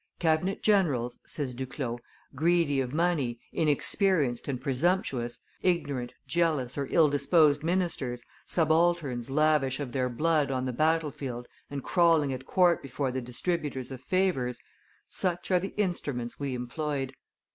"Cabinet generals," says Duclos, "greedy of money, inexperienced and presumptuous; ignorant, jealous, or ill disposed ministers; subalterns lavish of their blood on the battle field and crawling at court before the distributors of favors such are the instruments we employed.